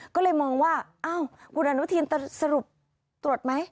ก็เลยมองว่าอ้าวคุณอนุทินสรุปตรวจไหม